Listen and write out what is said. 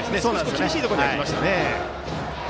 厳しいところには行きました。